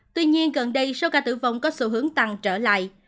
tuy nhiên gần đây số ca tử vong có xu hướng tăng trở lại